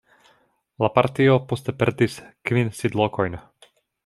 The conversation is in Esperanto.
La partio poste perdis kvin sidlokojn.